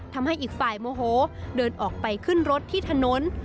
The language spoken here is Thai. ทำให้อีกฝ่ายโมโหเดินออกไปขึ้นรถที่ถนน